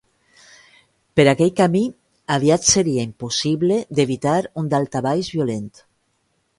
Per aquell camí aviat seria impossible d'evitar un daltabaix violent.